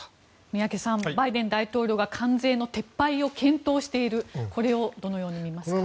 宮家さんバイデン大統領が関税の撤廃を検討しているこれをどのように見ますか。